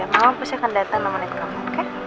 mama pasti akan datang nemenin kamu oke